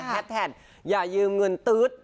แท็บแท็ดอย่ายืมเงินตื๊ด